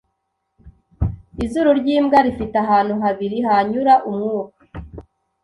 Izuru ry’imbwa rifite ahantu habiri hanyura umwuka